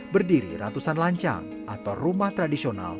berdiri ratusan lancang atau rumah tradisional